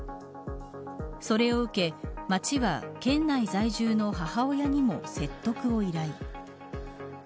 それを受け、町は県内在住の母親にも説得を依頼。